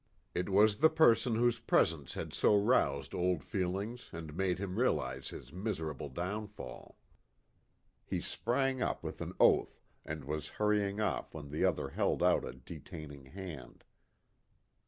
It was the person whose presence had so roused old feelings and made him realize his miserable downfall. He sprang up with an oath and was hurrying off when the other held out a detaining hand.